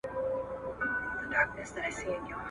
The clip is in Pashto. نو دا شعرونه یې د چا لپاره لیکلي دي؟ `